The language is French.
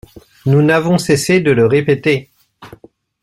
Nous n’avons cessé de le répéter.